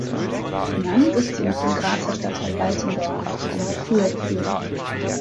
Benannt ist sie nach dem Grazer Stadtteil Waltendorf, zu dem sie früher geführt hat.